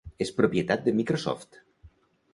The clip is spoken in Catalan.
És propietat de Microsoft.